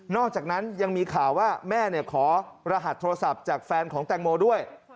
อกจากนั้นยังมีข่าวว่าแม่ขอรหัสโทรศัพท์จากแฟนของแตงโมด้วย